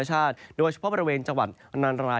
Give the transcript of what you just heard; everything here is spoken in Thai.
ก็จะมีการแผ่ลงมาแตะบ้างนะครับ